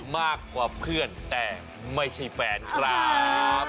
มากกว่าเพื่อนแต่ไม่ใช่แฟนครับ